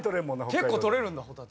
結構取れるんだ「ホタテ」